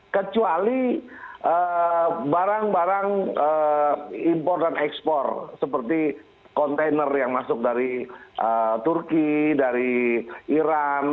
kecuali barang barang impor dan ekspor seperti kontainer yang masuk dari turki dari iran